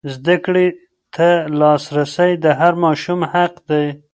زده کړې ته لاسرسی د هر ماشوم حق دی.